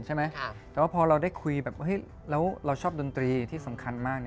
ใช่ไหมแต่ว่าพอเราได้คุยแบบแล้วเราชอบดนตรีที่สำคัญมาก